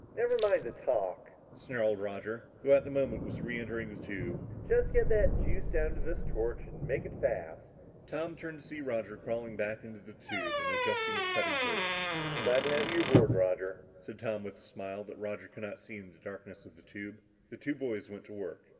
"Never mind the talk," snarled Roger, who at the moment was re entering the tube. "Just get that juice down to this torch and make it fast!" Tom turned to see Roger crawling back into the tube and adjusting a cutting torch. "Glad to have you aboard, Roger," said Tom with a smile that Roger could not see in the darkness of the tube. The two boys went to work.